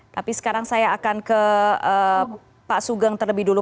tapi sekarang saya akan ke pak sugeng terlebih dulu